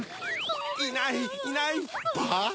いないいないばぁ！